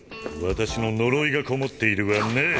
私の呪いがこもっているがね。